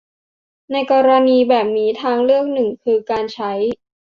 ในกรณีแบบนี้ทางเลือกหนึ่งคือการใช้